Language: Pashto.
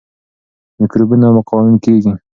میکروبونه مقاوم کیږي.